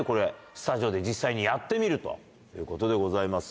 スタジオで実際にやってみるということでございます。